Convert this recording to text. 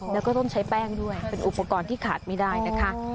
แล้วก็ต้องใช้แป้งด้วยเป็นอุปกรณ์ที่ขาดไม่ได้นะคะ